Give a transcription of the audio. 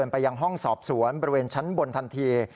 ไปยังห้องสอบสวนบริเวณชั้นบนทันที